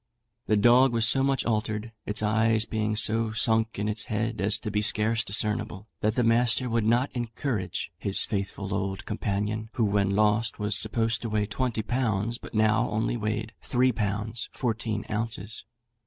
The dog was so much altered, its eyes being so sunk in its head as to be scarce discernible, that the master would not encourage his faithful old companion, who when lost was supposed to weigh twenty pounds, but now only weighed three pounds fourteen ounces.